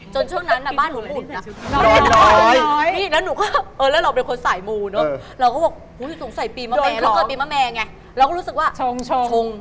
จนช่วงนั้นนะบ้านหนูอุ่น